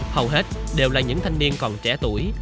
hầu hết đều là những thanh niên còn trẻ tuổi